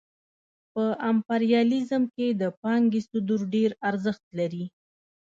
په امپریالیزم کې د پانګې صدور ډېر ارزښت لري